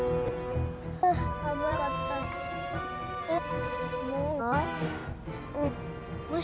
あっ！